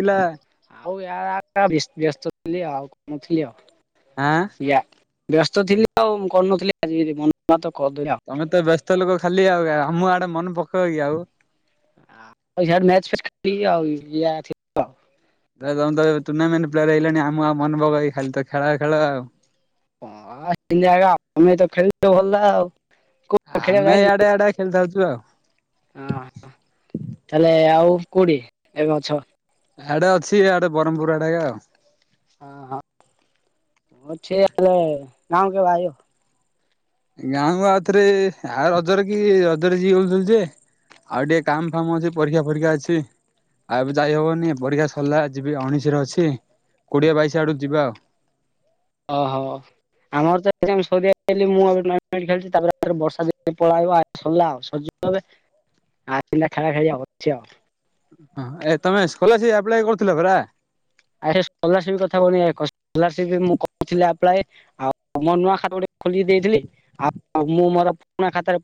ଥିଲା। ଆଉ ଆ ଆ ବ୍ୟସ୍ତ ଥିଲି ଆଉ କଣଥିଲି ଆଉ। ଆଁ ଇଆ ବ୍ୟସ୍ତ ଥିଲ ଆଉ କରୁନଥିଲି ଆଜିକାଲ [unintelligible] ତମେ ତ ବ୍ୟସ୍ତ ଲୋକ ଖାଲି ଆଉ। ହଉ ମୁଁ ଆଡେ ମନେ ପକେଇ କିି ଆଉ। ଆଚ ଖେ ଆଉ ଇ ଆଉ [inaudible] ତମ ତ ଟୁର୍ଣ୍ଣାମେଣ୍ଟ ପ୍ଲେୟର ହେଇଲାଣି, ଆମ ଆଉ ମନ ପକେଇଵନି ଖାଲି ତ ଖେଳ ଖେଳ ଆଉ। ହଁ ତମେ ତ ଖେଳଛ ଭଲା ଆଉ। କୋଉ ପା ଖେ ଆମେ ଇଆଡେ ଯାଇନ ଆଡେ ଖେଳିଥାଉଛୁ ଆଉ [inaudible] ହେଲେ ଆଉ କୋଡିଏ ଏବେ ଅଛ। ଆଡେ ଅଛି ଆଡେ ବ୍ରହ୍ମପୁର ଆଡେ ଆଉ। ହଁ ହଁ ଅଛି ହେଲେ ଗାଁ କୁ କେବେ ଆଇବ ଗାଁ କୁ ଆଉ ଥରେ ଆଉ ରଜରେ କି ରଜରେ ଯଵି ହେଉ ଯେ ଆଉ ଟିକେ କାମ ଫାମ ଅଛି ପରୀକ୍ଷା ପରୀକ୍ଷା ଅଛି ଆଉ ଯାଇ ହବନି ପରୀକ୍ଷା ସରିଲା ଯିବି ଉଣେଇଶି ରେ ଅଛି କୋଡିଏ ବାଇଶି ଆଡକୁ ଯିବା ଆଉ। ଓହୋ ଆମର ତ ମୁଁ ଖେଛି ତାପରେ ବର୍ଷା ପଳବରିଲା ଆ ଆ ଖେଳା ଖେଳି ଅଛି ଆଉ। ହଁ ଏ ତମେ ସ୍ ଖୋଲସି କରୁଥିଲେ ପରା ଆସେ କୋଲାରସୀପ କଥାପାଇଁ ଆଉୋ ନୂ ଖୋଲି ଦେଇଥିଲି ଆଉ ମୁଁ ମୋରୁ ଖାରୋ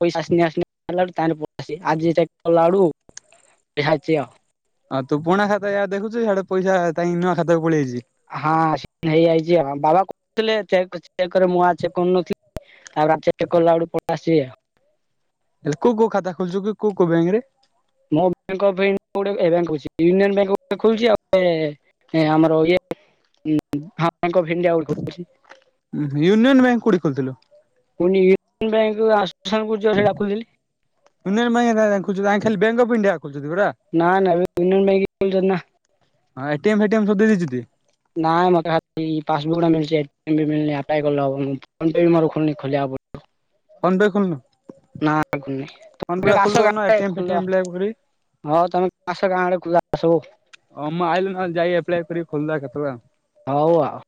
ଆଜି ଆ [unintelligible] ହଁ ତୁ ପୁରୁଣା ଖାତା ଦେଖୁଛୁ ପଇସା ନୂଆ ଖାତାକୁ ପଳେଇ ଆଇଛି। ହଁ ସେ ହେଇଯାଇଛି ବାବା କହୁଥିଲେ। ଚକରେ ମୁଁ ଆ ଚେକ କରୁନଥିଲି ତାପରେ ଚେକ କଲାବେଳେ ଆସି ଆଉ। ହେ କୋ କୋଉ ଖାତା ଖୋଲିଚୁ କି କୋଉ କୋଉ ବ୍ୟାଙ୍କ ରେ? ମୋ ବ୍ୟାଙ୍କ ଅଫ୍ ଇନ୍ ଗୋଟେ ରାଙ୍କ ଅଛି। ୟୁନିୟନ୍ ବ୍ୟାଙ୍କ ସବୁ ଖୋଲିଛି ଆଉ। ଏ ଏ ଆମର ଇଏ ଇନ୍ ଆ ଉଁ ହୁଁ ୟୁନିୟନ୍ ବ୍ୟାଙ୍କ କୋଉ ଠୁ ଖୋଲ ଥିଲୁ। ଫୁଣି ୟୁନିଏନ ବ୍ୟାଙ୍କ କୁ ଆଶ୍ [unintelligible] ଖୁଲ୍ ଛୁ ଜା ଖାଲି ବ୍ୟାଙ୍କ ଅଫ ଇଣ୍ଡିଆ। ଖୋଲିଛନ୍ତି ପରା। ନା ନା [unintelligible] ହଁ ଏ-ଟି-ଏମ୍ ଫେଟି ଏମ୍ ସବୁ ଦେଇଦେଇଛିନ୍ତି। ନା ନ [unintelligible] ଇଁ ମୋା ପାସବୁକ ଟା ମିନି ଆପ୍ଲେବୋ ମୋର ଖ ଖୋଲିବାକୁ ଫୋନ ପେ ଖୋଲୁନୁ ନ ଖୋଲିନି ଫୋନ ପେ ନା ଟା ତମେ ଆସ ଗାଁ ଖୋଲିଦଉନୁ ଆଦି ଏଟିଏମ୍ ଫେଟିଏମ୍ ଆପ୍ଲାଏ କରି। ଖୋଲିଦେବା ତମେ ଆସ ଗାଁ ଆଦି ହଁ ଖୋଲିଦେବା। ମୁଁ ଆଇଲେ ନହେଲେ ଯାଇ ଏପ୍ଲାୟ କରି ଖୋଲଦବା କେତେଳେ ଆଉ। ହଉ ଆଉ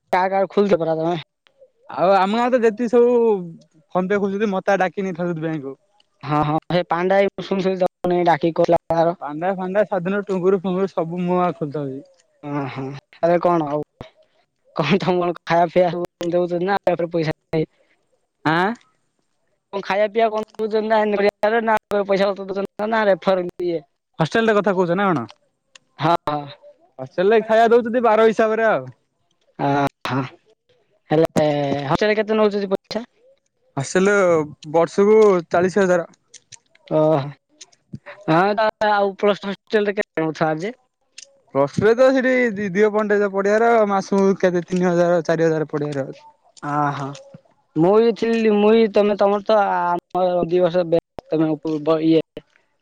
ଆକାର ଖୋଲଛ ପରା ତମେ ଆଉ ଆମ ଗାଁ ରେ ତ ଯେତିିକି ସବୁ ଫୋନ ପେ କରୁଛନ୍ତି ମତେ ଡାକି ନେଇଥାନ୍ତୁ ବ୍ୟାଙ୍କକୁ। ହଁ ହଁ ସେ ପାଣ୍ଡା ଶୁ ଶୁ ଡାକି [unintelligible] ପାଣ୍ଡା ଫାଣ୍ଡା ସାଦନରୁ ଟୁଙ୍ଗୁରୁ ଫୁଙ୍ଗୁର ସବୁ ମୁଁ ଆ ଖୋଲିଥାଆନ୍ତି। ହଁ ହଁ ଏବେ କଣ ଆଉ କଣ ତମ କଣ [unintelligible] ଖାଇବା ପିଇବାବଉ ପଇସା ଆଁ କଣ ଖାଇବା ପିଇବା କଣ ଦଉଛନ୍ତିସାଉଛନ୍ତି [unintelligible] ହଷ୍ଟେଲ ରେ କଥା କହୁଛ ନା କଣ? ହଁ ହସଲେ ଖାଇବା ଦଉଚନ୍ତି ବାହାର ହିସାବରେ ଆଉ। ଅହ ହେଲେ ହଶିଲେ କେତେ ନୋଉଛନ୍ତି ପଇସା ଆସିଲୁ ବର୍ଷକୁ ଚାଳିଶୀ ହଜାର। ଆ ଉପର [unintelligible] ପ୍ରସି ତ ସେଠି ଦି ଦିୀୟ ପଣ୍ଡେ ପଢିବାର ମାସୁକୁ କେତେ ତିନି ହଜାର ଚାରି ହଜାର ପଡିିବାର ଆହୋ ମୁଁ ବି ଥିଲି ମୁଇ ତମେ ତମର ତ ଆମର ଦି ବର୍ଷ ବେ ଇଏ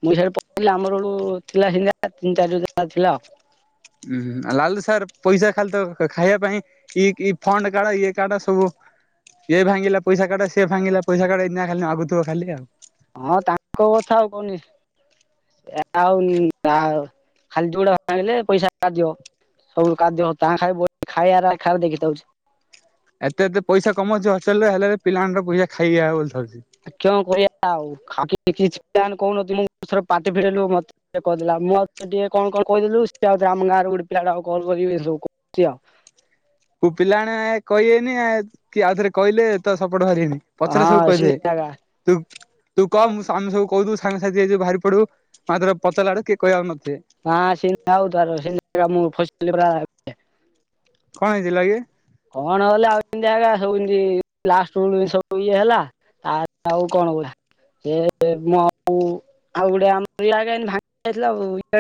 ମୁଁ ପଥିଲି ଆମର ବେଳୁ ଥିଲା ସିା ତିନି ଚାରି ଜା ଥିଲା ଆଉ। ଉୁଁ ଲାଲ ସାର୍ ପଇସା ଖାଲି ତ ଖାଇବା ପାଇଁ ଇଇ ଫଣ୍ଡ କାଡ ଇଏ କାଡ ସବୁ ଇଏ ଭାଙ୍ଗିଲା ପଇସା କାଡ ସେଏ ଭାଙ୍ଗିଲା ପଇସା କାଡ ଏଇଆ ଖାଲି ମାଗୁଥିବ ଖାଲି ଆଉ। ହଁ ତାଙ୍କ କଥା ଆଉ କହନି। ଏ ଆଉ ଖାଲି ଯୋ ହେଲେ ପଇସା ବାହାର ଜୀବ ହୋଊ କାଦ୍ୟ ତାଆଁ ଖାଇବେ ବୋଲି ଖାଇବାର ଖାଉ ଦେଖିଥାଉଛି। ଏତେ ଏତେ ପଇସା କମଉଛି ଅଷ୍ଟେଲ୍ ରେ ହେଲେବି ପିଲାମା ନ ଙ୍କର ପଇସା ଖାଇଆ ବୋଲିଥାଉଛି କିଅଣ କରିବା ଆଉ ଖଇ କି [unintelligible] କିଛି କହୁନଁରେ ପାଟି ଫିରେଇଲୁ ମତେ କହିଦେଲା ମୁଁ ଆଉ ଟିକେ କଣ କଣ କହିଦେୁଉ ଆମ ଗାଁରେ ଗୋଟେ ପିଲାଟା କୁ କଲ୍ କରିକି କହିଚି ଆଉ। ହୁ ପିଲା ଆଣିବା ନା ଏକ କହେନି କି ଆଉ ଥରେ କହିଲେ ତ ସୁ ପ ବାଣି ପଛରେ ସବୁ ହଁ ସେମିତି ଜାଗା କହିଦେବେ ତୁ କହ ମୁ ଆମେ ସବୁ କହୁ ସାଙ୍ଗ ଆଯିବ ବାରି ପଡୁ [unintelligible] ପଚାରିଲା ଆଡ଼କୁ କିଏ କହିବାରୁନିବ ହଁ ସେ ଆଉ [unintelligible] ଆଣିଲି ପରା [unintelligible] କଣ ହେଇଥିଲା କି? କଣ ହେଲେ ଆଉମତିୁତି ଇ ହେଲା ଆଉ କଣ କଉ ଗାଥିଲା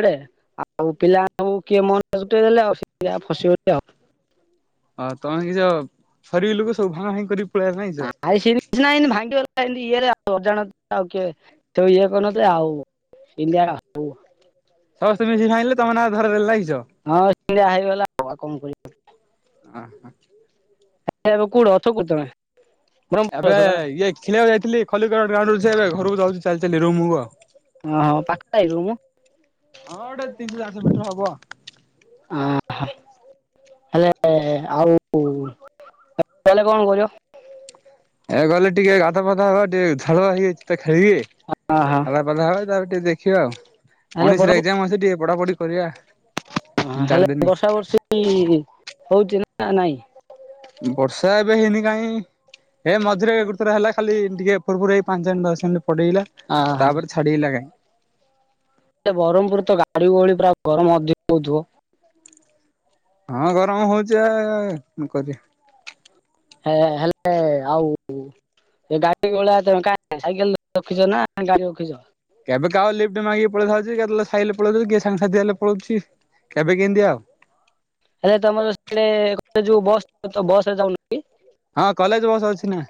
ଡେ ଆଉ ପିଲା କିଏ ମଲେ ଆ ଆଉ [unintelligible] ହଁ ତମେ କିସ ସରିବି ଲୋକ ସବୁ ଭାଁ ଭାଁ କରି ପଳେଇ ନାଇଁଛ ଆ ସେ ନା ଭାଙ୍ଗି ଇଏରେ ଅଜାଣ ଆଉ କିଏ ଇଏ କରନ ଆଉ ଇଣ୍ଡିଆ ଆଉ ସମସ୍ତେ ମିି ଖାଇିଲେ ତମେ ନା ଧର ଦେଲ ଲାଗଇ ହଁ ସିଆ ହେଇଗଲା କଣ କର ଅହ ଏବେ କଉଠ ଅଛ କ ତମେ ବ୍ରହ୍ମପୁର ଏବେ ଅଛ ପରା ଇଏ ଖଳିବାକୁ ଯାଇଥିଲି ଖଲିକ ଗ୍ରାଉଣ୍ଡୁ ଘରକୁ ଯାଉଛି ଚାଲି ଚାଲି ଏଇଠୁ ରୁମ କୁ ଆଉ ଓ ହୋ ପାଖ ଆଇିବ ରୁମ ହଁ ଗୋଟେ ତିନିଶହ ଚାରିଶହ ମିଟର ହବ। ଆ ହେଲେ ଆଉ ତାଲେ କଣ କରହୁଛ? ଏ ଗଲେ ଟିକେ ଗାଧ ଫଧା ହବା ଟିକେ ଧାଆ ହେଇଯାଇଛି। ଖେଳିବେ ଅ ହ ଖଲା ଭ ହବ ତା ଟିକେ ଦେଖ ଦେଖ ଆଉ ହେଲେ ଉଣଶରେ ଏକଜାମ ଅସେ ଟିକେ ପଢାପଢି କରିବା। ହ ତିନି ଚାରି ହେଲେ ଦିନି। ବର୍ଷା ବର୍ଷୀ ହଉଛି ନା ନା ନାଇଁ ବର୍ଷା ଏବେ ହେଇନି କାହିଁ ଏ ମଝିରେ ଏ ଗୁରୁ ଥର ହେଲା ଖାଲି ଟିକେ ଫର ଫୁର ହେଇ ପାଞ୍ଚ ଦର୍ଷ ପଟେଇଲା ଅହ ତାପରେ ଛାଡିଲା କାହିଁକି ବ୍ରହ୍ମପୁର ତ ଗାଡିଗୋଳି ପୁରା ଗରମ ଅଧି ହଉଥିବ। ହଁ ଗରମ ହଉଛି ଆଣ କରିବା । ହେ ହେଲେ ଆଉ ଗାଡି ଭଳିଆ ତ ସାଇକେଲ ରଖିଛ ନା ଗାଡି ରଖିଛ? କେବେ କାହା ଲିପ୍ଟ ମାଗିକି ପଳେଇଥାଉଛି କେ ଖାଇଲେ ପଳଉଛ କିଏ ସାଙ୍ଗସାଥି ହେଲେ ପଳଉଛି କେବେ କେମିତି ଆଉ। ଆରେ ତମର ସେ ଯୋଉ ବସ୍ ତ ବସ ରେ ଯାଉନ ହଁ କଲେଜ ବସ୍ ଅଛି ନା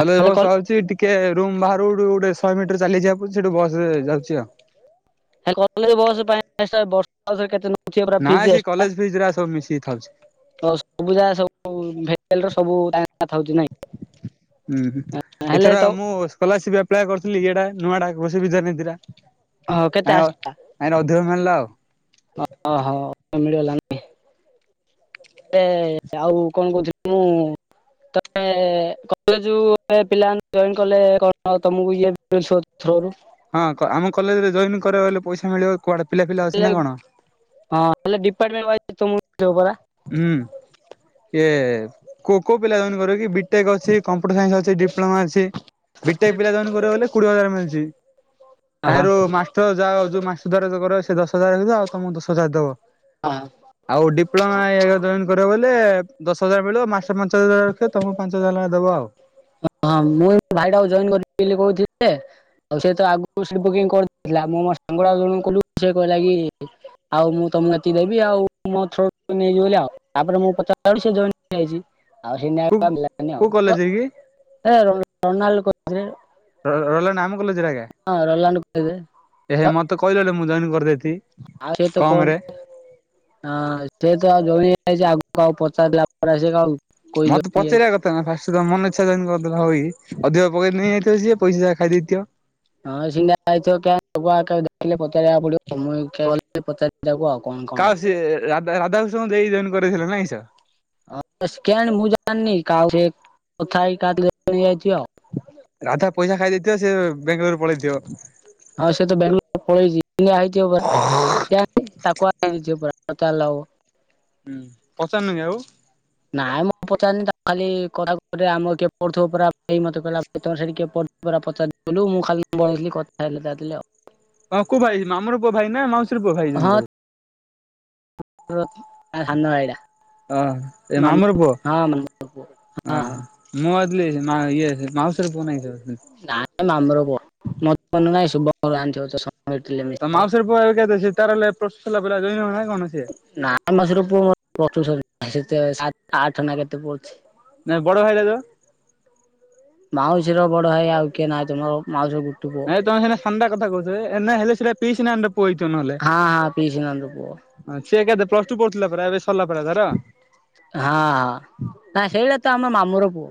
କଲେଜ ହେଲେ ବସ୍ ଅଛି ଟିକେ ରୁମ ବାହାରୁ ରୁ ଗୋଟେ ଶହେ ମିଟର ଚାଲିଯିବାକୁ ପଡ଼ୁଛି ସେଇଠୁ ବସରେ ଯାଉଛି ଆଉ। ହେ କଲେଜ୍ ବସ ପାଇଁ [unintelligible] ହଉ ସେ କେତେ ନଉ ଛି ନାଇଁ ଫିଜ୍ ସେ କଲେଜ ଫିସ୍ ରା ସବୁ ମିଶିକି ଥାଉଛି ଏକ୍ସଟ୍ରା ସୁବିଧା ସବୁ ହଷ୍ଟେଲର ସବୁ ଥାଉଛି ନାଇଁ ହଁ ହେଲେ ଏଥର ତ ମୁଁ ସ୍କଲାର୍ସିପ ଆପ୍ଲାଏ କରି ଥିଲି ଏଇଟା ନୁଆଟା ବସ ସୁବିଧା ନାଇଁ ଦିରା ହଁ କେତେ ଆସିଲା ମିଳିଲା ଆଉ। ଓହୋ ମିଳିଗଲା ଆଉ କଣ କହୁଥିଲି ମୁଁ ତମେ କଲେଜ କୁ ଗଲେ ପିଲାମାନେ ଜଏନ କଲେ କଣ ତମକୁ ଇଏ ମିଳିବ ଥ୍ରୋ ରୁ ହଁ ଆମ କଲେଜରେ ଜଏନ୍ କରିଆକୁ ଗଲେ ପଇସା ମିଳିବ କୁଆଡେ ପିଲା ପିଲା ଅଛି ନା କଣ ହଁ ଡିପାର୍ଟମେଣ୍ଟ ୱାଇଯ ତ ମୁଁ ହୁଁ ଏ କୋ କୋ ପିଲା ଜଏନ କରିବ କି ବିଟେକ୍ ଅଛି କମ୍ପ୍ୟୁଟର ସାଇନ୍ସ ଅଛି ଡିପ୍ଲୋମା ଅଛି ବିଟେକ୍ ପିଲା ଜଏନ କରିବେ ବଲେ କୋଡିଏ ହଜାର ମିଳଛି ତାରୁ ମାଷ୍ଟର ଯାହା ଯୋଉ ମାଷ୍ଟର ଦ୍ୱାରା କରିବ ସେ ଦଶ ହଜାର ରଖିଦେବ ଆଉ ତମକୁ ଦଶ ହଜାର ଦବ। ଆଉ ଡି ପ୍ଲୋମା ଜଏନ କରିବ ବୋଇଲେ ଦଶ ହଜାର ମିଳିବ ମାଷ୍ଟର ପାଞ୍ଚହଜାର ରଖିବ ତମକୁ ପାଞ୍ଚ ହଜାର ଲେଖା ଦବ ଆଉ। ହଁ ମୁଁ ଏଇ ଭାଇଟାକୁ ଜଏନ କରିବି ବୋଲି କହୁଥିଲି ଯେ ଆଉ ସେ ତ ଆଗକୁ ସେ ବୁକିଂ କରିଦେଇଥିଲା ମୁଁ ମୋ ସାଙ୍ଗଟାକୁ ଜଣଙ୍କୁ କହିଲୁ ସେ କହିଲା କି ଆଉ ମୁଁ ତମକୁ ଏତିକି ଦେବି ଆଉ ମୋ ଥ୍ରୋ ରୁ ନେଇଯିବ ବୋଲି ଆଉ ତାପରେ ମୁଁ ପଚାରିଲା ବେଳକୁ ସେ ଜଏନ ହେଇଯାଇଛି। ଆଉ ସେ ନା କୁ ଆଉ ମିଳିଲାନି କୋଉ ଆଉ। କଲେଜରେ କି ଏ ରୋନାଲ୍ କଲେଜ୍ ରହିଲ ନା ଆମକୁ କୋଉ କଲେଜ୍ ରେ କଲେଜରେ ଆଜ୍ଞା ଏହେ ମତେ କହିଲନି ମୁଁ ଜଏନ୍ କରିଦେଇଥିବି। ଆ ସେ ତ କଣ ଟେ ହଁ [unintelligible] [unintelligible] ଆଗକୁ ଆଉ ପଚାରିଲା ପରେ ଆସିବେ କି ଆଉ। କୋଇ ମତେ ଜମି ଯାଇଛି। ପଚାରିବା କଥା ନା ଫାଷ୍ଟ ତମ ମନ ଇଚ୍ଛା ଜାଏନେ ଘରୁ [unintelligible] ଅଧିକ ପକେଇ ନେଇଯାଇଥିବ ସିଏ ପଇସା ଯା ଖାଇ ଦେଇଥିବ। କହିଲେ ପଚାରିବାକୁ ପଡିବ ମୁଇ ଏକା ଗଲେ ପଚାରି କାସ୍ ସିଏ ରାଧା ରାଧାକୃଷ୍ଣଙ୍କୁ ଦେଇ ଜଏନ କରେଇଥିଲ ନାଇଁ। [unintelligible] କେଆଣି ମୁଁ ଜାଣିନି। କାକୁ ସେ କଥା ହେଇକି ନେଇଯାଇଥିବେ ଆଉ। ରାଧା ପଇସା ଖାଇ ଖାଇଦେଇଥିବ ସେ ବେଙ୍ଗଲୋରୁ ପଳେଇଥିବ। ହଁ ସେ ତ ବେଙ୍ଗାଲୋର ପଳେଇଚି କିନ୍ତୁ ଆଇଚି ଅବା ହୁଁ ତାକୁ ଆଯଥିବ ପୁରା ପଚାଲେ ହବ। ହୁଁ। ପଚାରିନୁ କି ଆଉ ନାଇଁ ମୁଁ ପଚାରିନି ଖାଲି କଥା ଆମ କିଏ ପଡୁଥିବ ପରା ମତେ କହିଲ ଭାଇ ସେଠି ତମର କିଏ ପଡ଼ୁଥିଲା ପଚାରିଥିଲୁ ମୁଁ ଖାଲି ବେଇଥିଲି କଥା ହେଉଥିଲି ଆଉ। ହଁ କୋଉ ଭାଇ ମାମୁଁ ର ପୁଅ ଭାଇ ନା ମାଉସୀ ର ପୁଅ ଭାଇ ଜଣେ ହଁ ପ ସାନ ଭାଇଟା ଓ ଏ ମାମର ମାମୁଁ ପୁଅ ହଁ ମାମୁଁ ପୁଅ ଅ ହଁ ମୁ ମା ଇଏ ମାଉସୀ ର ପୁଅ ନାହିଁ କେ ନାଇଁ ମାମୁଁ ର ପୁଅ। [unintelligible] ହଁ ତ ମାଉସୀର ପୁ ଏଜ୍ କେତେ ସେ ତାର ଲେ ନା ମାଉସୀ ର ପୁଅ ପଞ୍ଚମ ଶ୍ରେଣୀ ସେ ସାତ ଆଠ ନା କେତେ ପଡ଼ୁଛି। ନା ବଡ଼ ଭାଇର ଯୋ ମାଉସୀର ବଡ ଭାଇ ଆଉ କିଏ ନାହିଁ ମୋ ମାଉସୀ ଗୁ ନାଇଁ ତମେ ସେନା ସାନ୍ ଟା କଥା କହୁଛ ଏ ଏ ନା ହେଲୋ ସେଟା ପିସି ନାନି ପୁ ହଁ ହଁ ପିସି ନନ୍ଦ ପୁଅ ସିଏ କେତେ ପ୍ଲସ୍ ଟୁ ପଢୁଥିଲା ପରା ଏବେ ସରିଲା ପରା ତାର। ହଁ ନା ସେଇଟା ତ ଆମ ମାମୁଁ ର ପୁଅ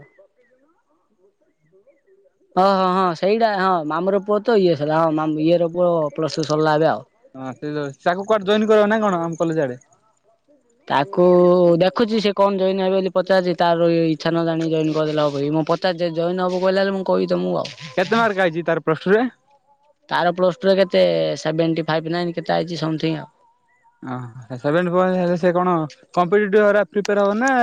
ହଁ ହଁ ହଁ ସେଇଟା ହଁ ମାମ ର ପୁଅ ତ ଇଏ ସରା ହଁ ଇଏ ର ପୁଅ ପ୍ଲସ ଟୁ ସରିଲା ଏବେ ଆଉ। ହଁ ତାକୁ କୁଆଡେ ଜଏନ୍ କରିବ ନା କଣ ଆମ କଲେଜ୍ ଆଡେ। ତାକୁ ଦେଖୁଛି ସେ କଣ ଜଏନି ହେବେ ବୋଲି ପଚାରୁଛି। ତାର ଇଛା ନ ଜାଣି ଜଏନି କରିଦେଲେ ହବ କି। ମୁଁ ପଚାରୁଛି ଜଏନି ହବ କହିଲା ଲେ ମୁଁ କହିି କେତେ ମାର୍କ ଆଇଛି ତାର ପସ ଟୁ ରେ। ତାର ପ୍ଲସ ଟୁ ରେ କେତେ ସେଭେନ୍ଟି ଫାଇଫ୍ ନା ଏମତି କେତେ ଆଇଛି ସମଥିଙ୍ଗ ଆଉ। ଓହୋ ସେଭେନ ପଏଁ ହେଲେ ସେ କଣ କମ୍ପଟିପି ହେରା ପ୍ରିପେୟାର ହବ ନା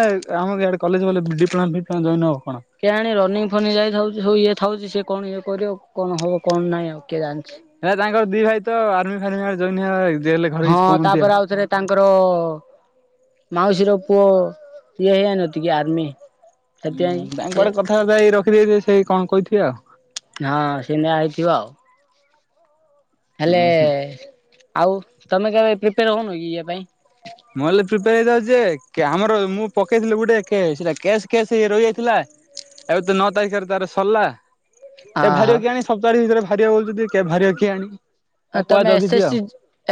ଆମର ଇଆଡେ କଲେଜ ଗଲେ ଡିପ୍ଲମା ଡିପ୍ଲମା ଜଏନ୍ ହବ। କଣ? କେଣଣି ରନିଙ୍ଗ୍ ଫନିଙ୍ଗ୍ ଯାଇଥାଉ ହଉ ଇଏ। ଥାଉଛି ସିଏ କଣ ଇଏ କରିବ କଣ ହବ କଣ ନାଇଁ ଆଉ। କିଏ ଜାଣିଛି। ହେ ତାଙ୍କର ଦି ଭାଇ ତ ଆର୍ମି [unintelligible] ହଁ କିଛି କହୁନାହାନ୍ତି ତାପରେ ଆଉ ଥରେ ତାଙ୍କର ମାଉସୀର ପୁଅ ଇଏ [unintelligible] ଆର୍ମି। ଉଁ ସେଥିପାଇଁ ହୁଁ ତାଙ୍କ ସେ ଆଡେ କଥାବାର୍ତ୍ତା ହେଇ ରଖି ଦେଥିବେ ସେଇ କଣ କହିଥି କିଏ ଆଉ। ହଁ ସେ ଏଇନେ ଆଇଥିବ ଆଉ। ଉଁ ହେଲେ ହୁଁ। ଆଉ ତମେ କେବେ ପ୍ରିପେୟାର ହଉନ କି ଇଏ ପାଇଁ। ମୁଁ ହେଲେ ପ୍ରିପେୟାର ହେଇ ଯାଉଛି ଯେ କେ ଆମର ମୁଁ ପକେଇଥିଲି ଗୋଟେ କେ ସେଟା କେସେ କେସେ ହେଇ ରହିଯାଇଥିଲା। ଏବେ ତ ନଅ ତାରିଖରେ ତାର ସରଲା। ଏ ଭାରିବ ଅହ। କି ଆଣି ସପ୍ତାହଟି ଭିତରେ ଭାରିବ ବୋଲିତି କେବେ ଭାରିବ କିଆଣି। ଆ ତାକୁ କୁହା ତମେ ଏସ୍ ଜଗିଛି ଏସ୍ ଆଉ। T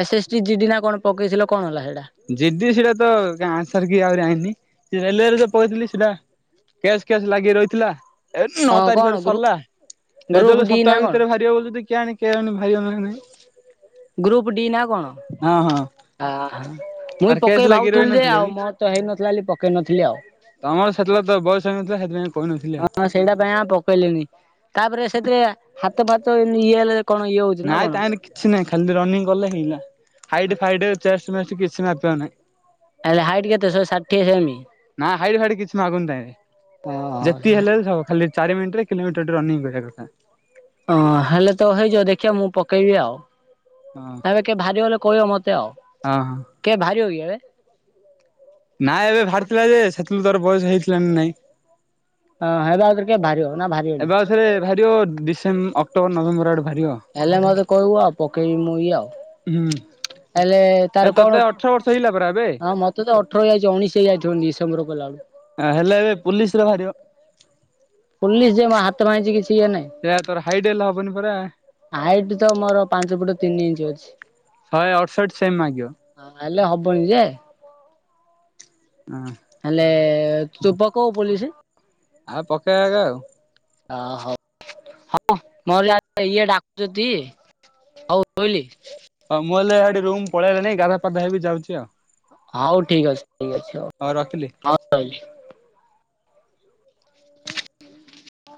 S S T GD ନା କଣ ପକେଇଥିଲ କଣ ହେଲା ହେଇଟା। ଜି ଡି ସି ଟା ତ ଗାଁ ସାରିକି ଆହୁରି ଆଇନି। ରେଲୱେ ରେ ଯୋଉ ପକେଇଥିଲି ସିଟା କେସ୍ କେସ୍ ଲାଗି ରହିଥିଲା। ଏ ନଅ ହଁ କଣ ତାରିଖରେ ଗ୍ରୁ ସରଲା। ଗ୍ରୁପ ରେଜଲ୍ଟ ଡି ନା ସପ୍ତାଅ କଣ ଭିତରେ ବାହାରିବ ବୋଲି ତି କି ଆଣି କେ ଆଣି ବାହାରିବ ନା ନାଇଁ। ଗ୍ରୁପ ଡି ନା କଣ? ଆ ମୁଇଁ ଆରେ କ୍ୟାସ୍ ପକେଇ ଲାଗି ଭାବୁଥିଲି ଯେ ରହିନଥିଲା ଆଉ କି ମୋର ତ ହେଇନଥିଲା ବୋଲି ପକେଇ ନଥିଲି ଆଉ। ତମର ସେତେବେଳେ ତ ବୟସ ହେଇନଥିଲା ସେଥିପାଇଁ କହିନଥିଲି ଆଉ ହଁ ହଁ ସେଇଟା ପାଇଁ ଆଉ ପକେଇଲିନି। ତାପରେ ସେଥିରେ ହାତ ଫା ତ ନିଏ ହେଲେ। କଣ ଇଏ ହଉଛି ନା ନାଇଁ କଣ ତା ନି କିଛି ନାହିଁ। ଖାଲି ରନିଂ କଲେ ହେଇକିନା। ହାଇଟି ଫାଇଟି ଚେଷ୍ଟ ମେଷ୍ଟ କିଛି ମାପିବା ନାଇଁ। ହେଲେ ହାଇଟ୍ କେତେ ଶହେ ଷାଠିଏ ସେମି? ନାଁ। ହାଇଡି ଫାଇଟ କିଛି ମାଗୁଣି ନାଇଁ ରେ। ଯେତି ଅ ହେଲେବି ସବୁ ଖାଲି ଚାରି ମିନିଟରେ ତିନି ମିଟର ରନିଂ କରିବା କଥା। ହଁ ହେଲେ ତ ହେଇ ଜିଅ। ଦେଖିଆ ମୁଁ ପକେଇବି ଆଉ। ହଁ ଏବେ କେ ଭାରି ଅରକ କହିବ ମତ ତେ ଆଉ ହଁ ହଁ। କେବେ ଭାରି ଅ କି ଏବେ? [inaudible] ନାଇ ଏବେ ବାହାରିଥିଲା ଯେ [unintelligible] ବୟସ ହେଇଥିଲାଣି ନାଇଁ? ଅ ହେବା ଆଗରୁ ଟିକେ ଭାରିବ ଏବେ ଆଉଥରେ ଭାରିବ ଡିସ ସେମ୍ ଅକ୍ଟୋବର ନଭେମ୍ୱର ଆଡକୁ ହେଲେ ମତେ କହିବୁ ଆଉ ପକ ପକେଇ ମୂଇ ଆଉ ହୁଁ। ହେଲେ ଏ ତାର ତତେ କଣ ଅଠର ବର୍ଷ ହେଇଗଲା ପରା ଏବେ [inaudible] ହଁ ମତେ ତ ଅଠର ହେଇଆଇଛି ଉଣେଇଶି ହେଇଆଇଥିବ ଉନି ତମର ଗଲା ଆ ହେଲେ ଏବେ ପୋଲିସରେ ବାହାରିବ। ପୋଲିସ ଯିଏ ମୋ ହାତ ଭାଙ୍ଗିଚି କିଛି ଟିଏନେ ସେଇଆ ତୋର ହାଇଟ୍ ହେଲେ ହବନି ପରା [inaudible] ହାଇଟ ତ ମୋର ପାଞ୍ଚ ଫୁଟ ତିନି ଇଞ୍ଚ୍ ଅଛି। ଶହେ ଅଡଶଠୀ ସେମୀ ମାଗିବ। ହଁ ହେଲେ ହବନି ଯେ ହଁ ହେଲେ [unintelligible] ପୋଲିସ୍। ଆଉ ପକେଇବା ଆଉ। ଓ ହୋ ହଉ ହଁ ମୋର ଯ ଇଏ ଡାକୁଛନ୍ତି ହଉ ରହିଲି। ହଁ ମୁଁ ହେଲେ ରୁମ୍ ପଳେଇଲା ନାଇ ଗାଧା ପାଧା ହେବି ଯାଉଛି ଆଉ। ହଉ ଠିକ ଅଛି ଠିକ ଅଛି ହଉ ରହିଲି।